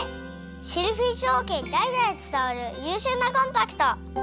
シェルフィッシュおうけにだいだいつたわるゆうしゅうなコンパクト！